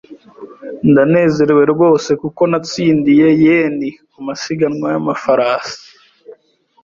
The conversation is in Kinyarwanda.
Ndanezerewe rwose kuko natsindiye yen kumasiganwa yamafarasi